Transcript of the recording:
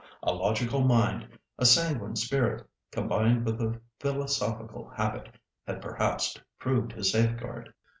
A logical mind, a sanguine spirit, combined with a philosophical habit, had perhaps proved his safeguard.